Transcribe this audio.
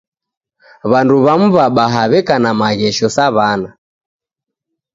W'andu w'amu wabaha weka na maghesho sa w'ana.